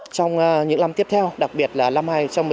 trong những năm tiếp theo đặc biệt là năm hai nghìn một mươi chín